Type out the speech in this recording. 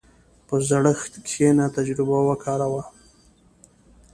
په زړښت کښېنه، تجربه وکاروه.